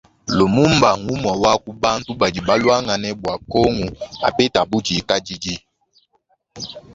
Lumumba mgumue wa kubantu badi baluangane bua kongu apeta budikadidi.